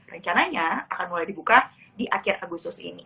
rencananya akan mulai dibuka di akhir agustus ini